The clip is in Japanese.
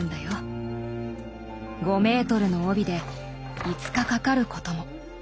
５メートルの帯で５日かかることも。